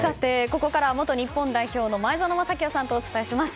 ここからは元日本代表の前園真聖さんとお伝えします。